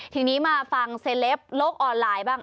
ทีนี้มาฟังเซลปโลกออนไลน์บ้าง